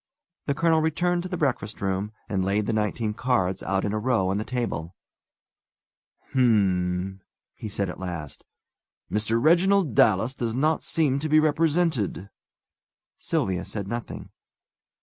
The colonel returned to the breakfast room, and laid the nineteen cards out in a row on the table. "H'm!" he said, at last. "Mr. Reginald Dallas does not seem to be represented." Sylvia said nothing.